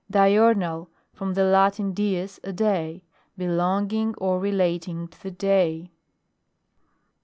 DIURNAL. From the Latin, dies, a day. Belonging or relating to the day.